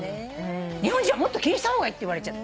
「日本人はもっと気にした方がいい」って。